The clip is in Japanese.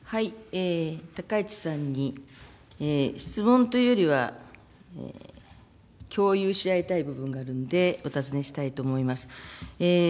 高市さんに、質問というよりは、共有し合いたい部分があるので、お尋ねしたいと思います。